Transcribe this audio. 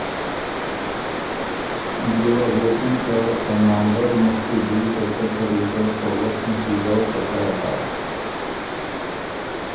بيې وه غوېکِن که ته ناندر مُخکي دی په څه طریقه ته وک نیکیزؤ پکر هۀ